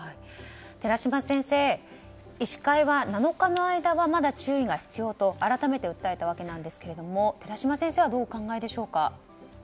寺嶋先生、医師会は７日の間はまだ注意が必要と改めて訴えたわけですが寺嶋先生はどうお考えでしょうか。